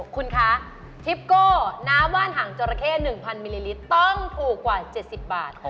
คุณคะทิปโก้น้ำว่านหางจราเข้๑๐๐มิลลิลิตรต้องถูกกว่า๗๐บาท